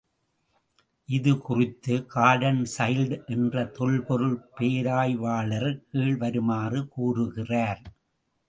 இது குறித்து Gordon Childe என்ற தொல்பொருள் பேராய்வாளர் கீழ்வருமாறு கூறுகிறார்.